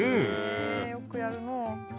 へよくやるのう。